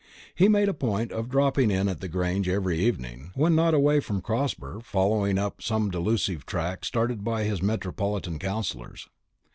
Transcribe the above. He made a point of dropping in at the Grange every evening, when not away from Crosber following up some delusive track started by his metropolitan counsellors.